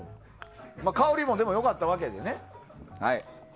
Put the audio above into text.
香りも良かったわけでね。